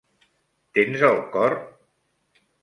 Tens el cor?